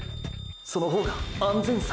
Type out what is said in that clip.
その方が安全策？